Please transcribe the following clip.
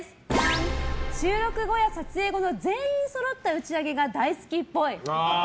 収録後や撮影後の全員そろった打ち上げが大好きっぽい。